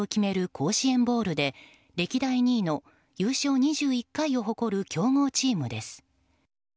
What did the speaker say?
甲子園ボウルで歴代２位の優勝２１回を誇る強豪チームです。